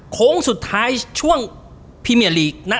โค้งสุดท้ายช่วงพรีเมียลีกนะ